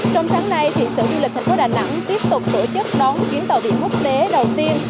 trong sáng nay thì sự du lịch thành phố đà nẵng tiếp tục tổ chức đón chuyến tàu biển quốc tế đầu tiên